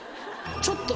ちょっと。